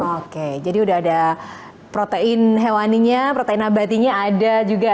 oke jadi udah ada protein hewaninya protein abadinya ada juga